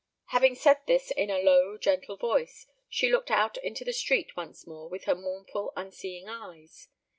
Having said this in a low gentle voice, she looked out into the street once more with her mournful unseeing eyes.